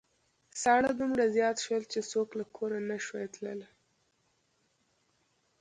ساړه دومره زيات شول چې څوک له کوره نشوای تللای.